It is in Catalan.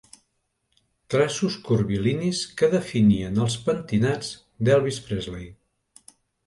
Traços curvilinis que definien els pentinats d'Elvis Presley.